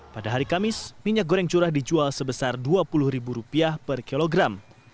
pada hari kamis minyak goreng curah dijual sebesar rp dua puluh per kilogram